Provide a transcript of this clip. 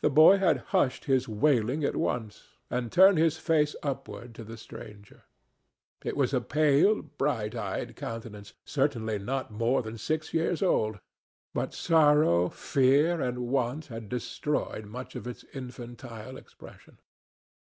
The boy had hushed his wailing at once, and turned his face upward to the stranger. It was a pale, bright eyed countenance, certainly not more than six years old, but sorrow, fear and want had destroyed much of its infantile expression.